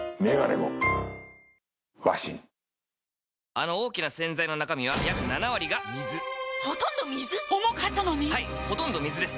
あの大きな洗剤の中身は約７割が水ほとんど水⁉重かったのに⁉はいほとんど水です